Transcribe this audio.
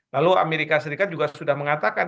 lalu amerika serikat juga sudah mengatakan